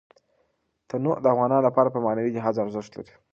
تنوع د افغانانو لپاره په معنوي لحاظ ارزښت لري.